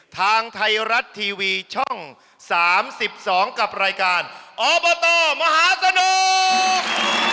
ทางไทยรัฐทีวีช่อง๓๒กับรายการอบตมหาสนุก